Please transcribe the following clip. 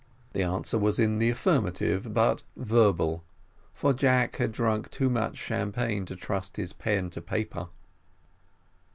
The answer was in the affirmative, but verbal, for Jack had drunk too much champagne to trust his pen to paper.